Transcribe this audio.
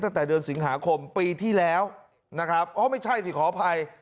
ตั้งแต่เดือนสิงหาคมปีที่แล้วนะครับอ๋อไม่ใช่สิขออภัย